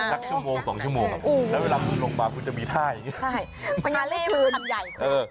นักชั่วโมง๒ชั่วโมงแล้วเวลาคุณลงมาคุณจะมีท่าอย่างนี้